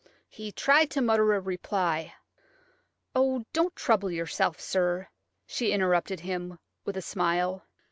He tried to mutter a reply. "Oh, don't trouble yourself, sir!" she interrupted him, with a smile.